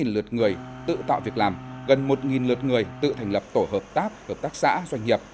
hai mươi lượt người tự tạo việc làm gần một lượt người tự thành lập tổ hợp tác hợp tác xã doanh nghiệp